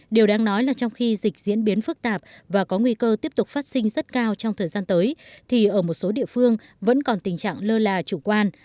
điều đáng nói là trong khi dịch diễn biến phức tạp và có nguy cơ tiếp tục phát sinh rất cao trong thời gian tới thì ở một số địa phương vẫn còn tình trạng lơ là chủ quan